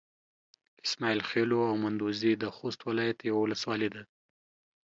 اسماعيل خېلو او مندوزي د خوست ولايت يوه ولسوالي ده.